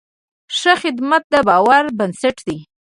ښه خدمت د باور بنسټ دی.